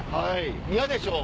嫌でしょ？